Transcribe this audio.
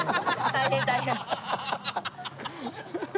大変大変。